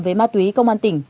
về ma túy công an tỉnh